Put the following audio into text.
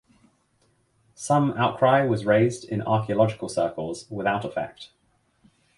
Some outcry was raised in archaeological circles without effect.